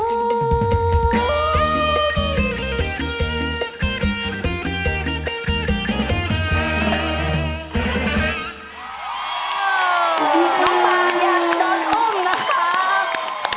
น้องฟานอยากโดนอุ้มนะครับ